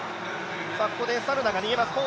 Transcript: ここでサルナが逃げます。